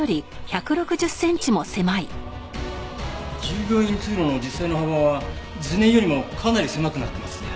従業員通路の実際の幅は図面よりもかなり狭くなってますね。